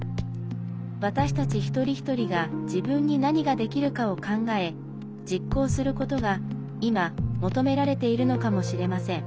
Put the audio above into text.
私たち一人一人が自分に何ができるかを考え実行することが、今求められているのかもしれません。